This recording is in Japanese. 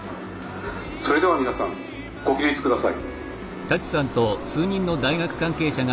「それでは皆さんご起立下さい」。